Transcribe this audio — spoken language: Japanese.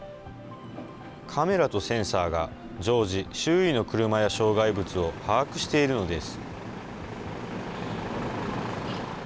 カメラとセンサーが常時、周囲の車や障害物を把握しているのです。